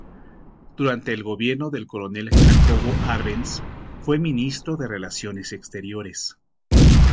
Durante el gobierno del coronel Jacobo Arbenz fue Ministro de Relaciones Exteriores.